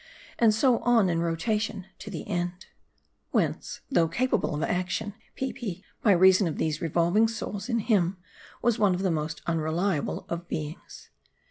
And so on in rotation to the end. Whence, though capable of action, Peepi, by reason of 240 M A R D I. these revolving souls in him, was one of the most unreliable of beings.